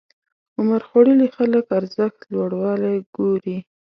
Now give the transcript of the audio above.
عمرخوړلي خلک ارزښت لوړوالی ګوري.